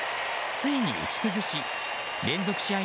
ついに打ち崩し連続試合